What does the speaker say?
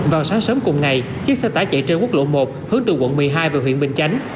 vào sáng sớm cùng ngày chiếc xe tải chạy trên quốc lộ một hướng từ quận một mươi hai về huyện bình chánh